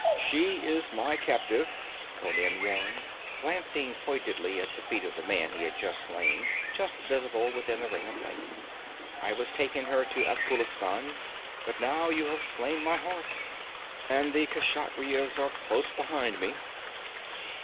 'She is my captive,' Conan warned, glancing pointedly at the feet of the man he had slain, just visible within the ring of light. 'I was taking her to Afghulistan, but now you have slain my horse, and the Kshatriyas are close behind me.'